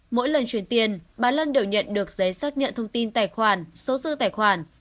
mỗi lần truyền tiền bà lân đều nhận được giấy xác nhận thông tin tài khoản số dư tài khoản